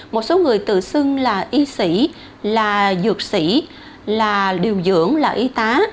một số người tự xưng là y sĩ là dược sĩ là điều dưỡng là y tá